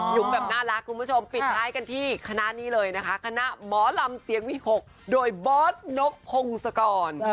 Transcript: แบบน่ารักคุณผู้ชมปิดท้ายกันที่คณะนี้เลยนะคะคณะหมอลำเสียงวิหกโดยบอสนกพงศกร